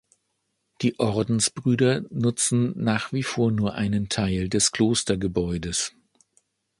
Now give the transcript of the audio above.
Die Ordensbrüder nutzen nach wie vor nur einen Teil des Klostergebäudes.